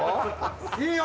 いいよ。